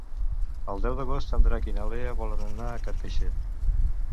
El deu d'agost en Drac i na Lea volen anar a Carcaixent.